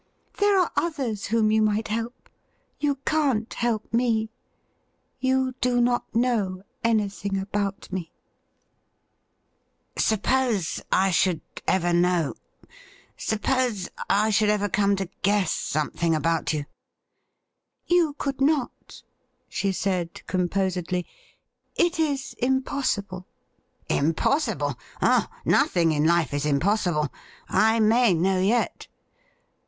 , There are others whom you might help ; yo^ can't help me, You do not know anything about me,' 124 THE RIDDLE RING 'Suppose I should ever know — suppose I should ever come to guess something about you F ' You could not,' she said composedly ;' it is impossible.' ' Impossible ! Oh, nothing in life is impossible. I may know yet.'